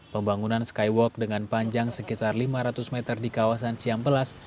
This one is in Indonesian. pembangunan skywalk dengan panjang sekitar lima ratus meter di kawasan ciampelas